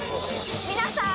皆さん？